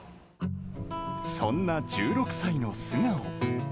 そんな１６歳の素顔。